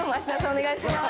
お願いします。